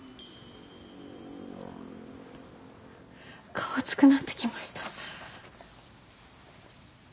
顔熱くなってきました。